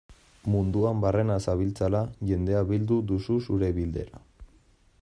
Munduan barrena zabiltzala, jendea bildu duzu zure bidera.